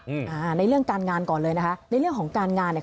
อ่าในเรื่องการงานก่อนเลยนะคะในเรื่องของการงานเนี้ย